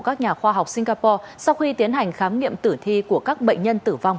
các nhà khoa học singapore sau khi tiến hành khám nghiệm tử thi của các bệnh nhân tử vong